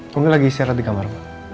mungkin lagi istirahat di kamar